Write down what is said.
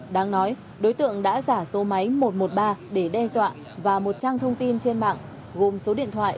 đáng nói đối tượng đã giả số máy một trăm một mươi ba để đe dọa và một trang thông tin trên mạng gồm số điện thoại